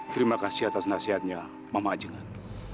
terima kasih atas nasihatnya mama ajunan